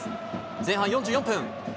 前半４４分。